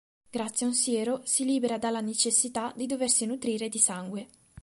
Grazie a un siero si libera dalla necessità di doversi nutrire di sangue.